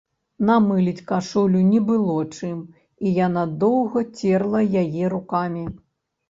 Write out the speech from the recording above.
Намыліць кашулю не было чым, і яна доўга церла яе рукамі.